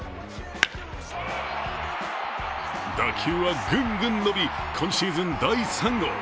打球はグングン伸び、今シーズン第３号。